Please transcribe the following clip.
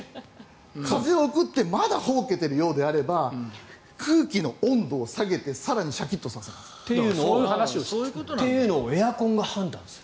風を送ってまだ呆けているようであれば空気の温度を下げてまたシャキッとさせます。というのをエアコンが判断する。